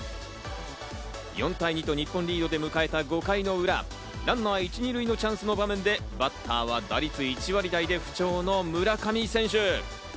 ４対２と日本リードで迎えた５回の裏、ランナー１・２塁のチャンスの場面で、バッターは打率１割台で不調の村上選手。